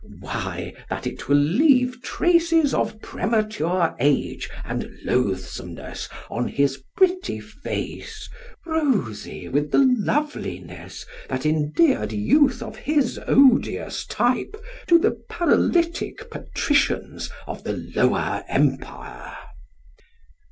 Why, that it will leave traces of premature age and loathsomeness on his pretty facy, rosy with the loveliness that endeared youth of his odious type to the paralytic patricians of the Lower Empire.